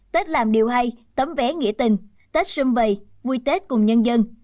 tết làm điều hay tấm vé nghĩa tình tết xung vầy vui tết cùng nhân dân